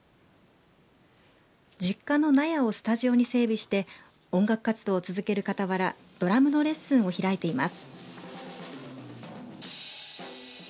実家の納屋をスタジオに整備して音楽活動を続けるかたわらドラムのレッスンを開いています。